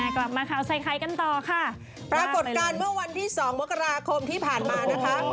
กลับมาข่าวใส่ไข่กันต่อค่ะปรากฏการณ์เมื่อวันที่สองมกราคมที่ผ่านมานะคะ